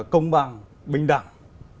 công bằng bình đẳng